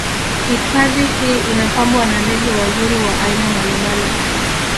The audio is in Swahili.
Hifadhii hii inapambwa na ndege wazuri wa aina mbalimbali